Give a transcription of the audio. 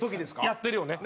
やってるよね。